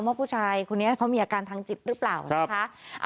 ว่าผู้ชายคนนี้เขามีอาการทางจิตหรือเปล่านะคะ